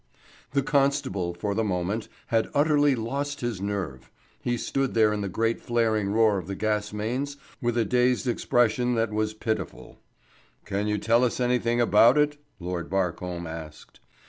The constable, for the moment, had utterly lost his nerve. He stood there in the great flaring roar of the gas mains with a dazed expression that was pitiful. "Can you tell us anything about it?" Lord Barcombe asked.